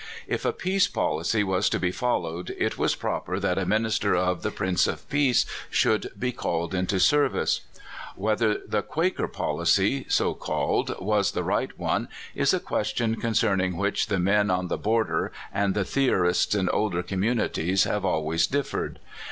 If a peace policy was to be followed, it was proper that a minister of the Prince of Peace should be called into service. Whether the " Quaker policy," so called, was the right one, is a question concerning which the men on the border and the theorists in older communi ties have always differed.